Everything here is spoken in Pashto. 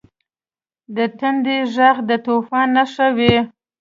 • د تندر ږغ د طوفان نښه وي.